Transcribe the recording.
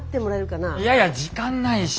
いやいや時間ないし。